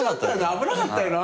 危なかったよな。